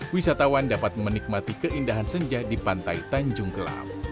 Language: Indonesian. wisatawan dapat menikmati keindahan senja di pantai tanjung gelam